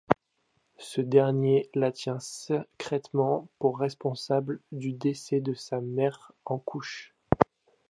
Ce dernier la tient secrètement pour responsable du décès de sa mère en couche.